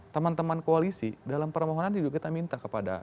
teman teman koalisi dalam permohonan juga kita minta kepada